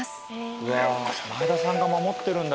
うわ前田さんが守ってるんだ。